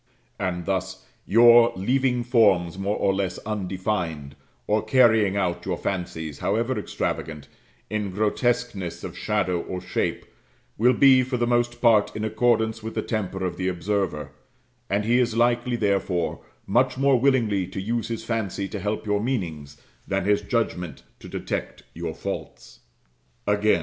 And thus, your leaving forms more or less undefined, or carrying out your fancies, however extravagant, in grotesqueness of shadow or shape, will be for the most part in accordance with the temper of the observer; and he is likely, therefore, much more willingly to use his fancy to help your meanings, than his judgment to detect your faults. Again.